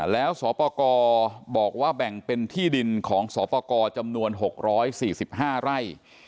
แล้วสปกรบอกว่าแบ่งเป็นที่ดินของสปกรจำนวน๖๔๕ไร่